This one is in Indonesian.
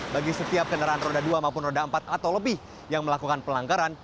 bagi setiap kendaraan roda dua maupun roda empat atau lebih yang melakukan pelanggaran